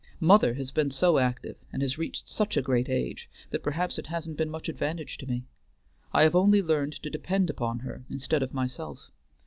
Mother has been so active, and has reached such a great age, that perhaps it hasn't been much advantage to me. I have only learned to depend upon her instead of myself.